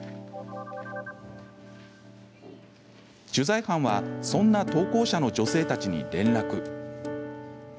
取材班は、そんな投稿者の女性たちに連絡。